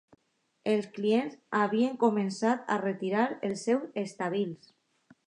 Els clients havien començat a retirar els seus estalvis.